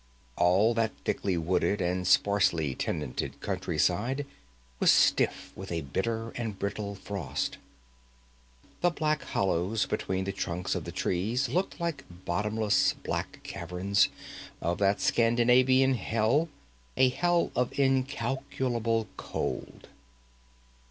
All that thickly wooded and sparsely tenanted countryside was stiff with a bitter and brittle frost. The black hollows between the trunks of the trees looked like bottomless, black caverns of that Scandinavian hell, a hell of incalculable cold.